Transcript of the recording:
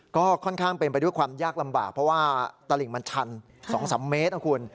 ก็ค่อนข้างเป็นไปด้วยความยากลำบากเพราะว่าตลิ่งมันชัน๒๓เมตรนะคุณ